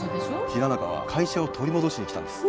平中は会社を取り戻しに来たんです。